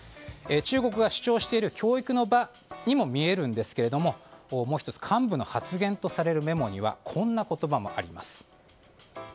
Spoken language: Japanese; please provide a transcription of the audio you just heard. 中国が主張している教育の場にも見えるんですがもう１つ幹部の発言とされるメモにはこんな言葉もあります。